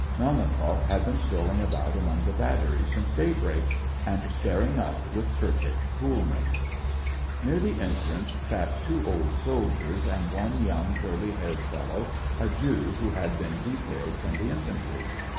Melnikoff had been strolling about among the batteries since daybreak, and staring up with perfect coolness. 238 SEVASTOPOL IN AUGUST. Near the entrance sat two old soldiers and one young, curly haired fellow, a Jew, who had been detailed from the infantry.